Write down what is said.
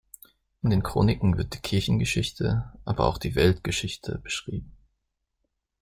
In den Chroniken wird die Kirchengeschichte aber auch die Weltgeschichte beschrieben.